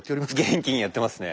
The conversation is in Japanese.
元気にやってますね。